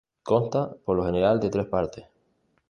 Consta por lo general de tres partes.